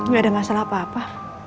tidak ada masalah apa apa